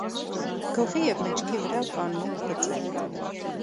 Գլխի և մեջքի վրա կան մուգ բծեր։